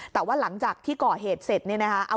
แต่ว่าหลังจากที่ก่อเหตุเสร็จเนี่ยนะคะ